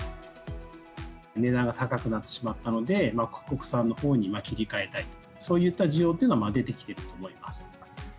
値段が高くなってしまったので、国産のほうに切り替えたい、そういった需要というのが出てきていると思います。